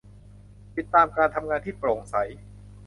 ติดตามการทำงานที่โปร่งใส